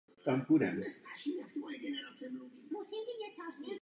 Směrem vzhůru se listy zmenšují a přecházejí do menších listenů podobných tvarů.